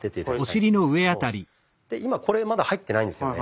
で今これまだ入っていないんですよね。